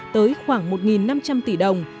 tới khoảng một năm trăm linh tỷ đồng